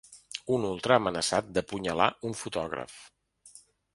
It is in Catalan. Un ultra ha amenaçat d’apunyalar un fotògraf.